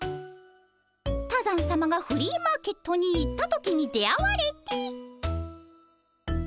多山さまがフリーマーケットに行った時に出会われて。